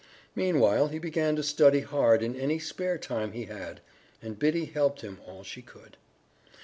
Meanwhile he began to study hard in any spare time he had, and Biddy helped him all she could.